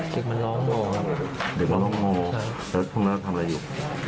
เด็กมันร้องงอครับเด็กมันร้องงอแล้วตรงนั้นเขาทำอะไรอยู่